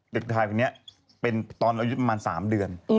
เด็กถ่ายพรุ่งนี้เป็นตอนอายุประมาณสามเดือน